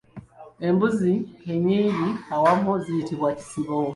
Embuzi ennyingi awamu ziyitibwa kisibo.